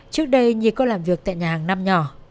trước đây nhi có làm việc tại nhà hàng năm nhỏ